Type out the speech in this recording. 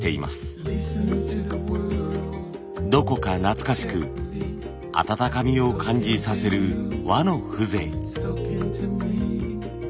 どこか懐かしく温かみを感じさせる和の風情。